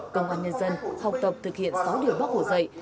công an nhân dân học tập thực hiện sáu điều bác hồ dạy